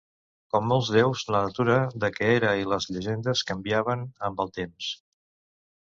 Com molts déus, la natura de què era i les llegendes canviaven amb el temps.